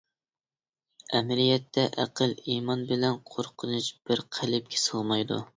ئەمەلىيەتتە ئەقىل، ئىمان بىلەن قورقۇنچ بىر قەلبكە سىغمايدۇ.